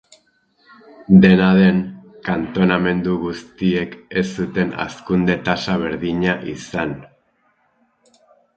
Dena den, kantonamendu guztiek ez zuten hazkunde tasa berdina izan.